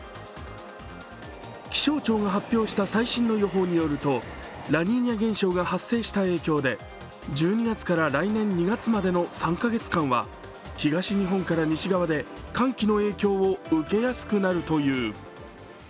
気象庁が発表した最新の予報によるとラニーニャ現象が発生した影響で１２月から来年２月までの３カ月間は東日本から西側で寒気の影響を受けやすくなるという。